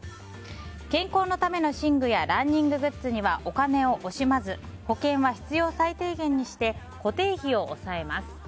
健康のための寝具やランニンググッズにはお金を惜しまず保険は必要最低限にして固定費を抑えます。